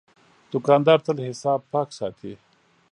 دوکاندار تل حساب پاک ساتي.